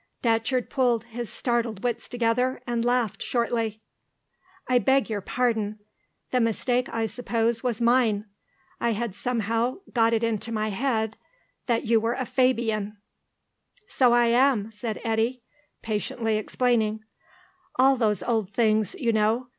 Datcherd pulled his startled wits together, and laughed shortly. "I beg your pardon. The mistake, I suppose, was mine. I had somehow got it into my head that you were a Fabian." "So I am," said Eddy, patiently explaining. "All those old things, you know.